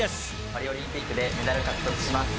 パリオリンピックでメダル獲得します。